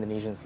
dari tim saya